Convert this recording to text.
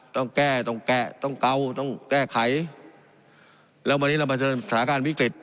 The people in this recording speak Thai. ต้องแก้ต้องแก้ต้องเกาต้องแก้ไขแล้ววันนี้เราเผชิญสถานการณ์วิกฤต